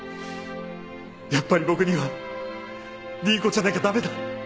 やっぱり僕には倫子じゃなきゃ駄目だ！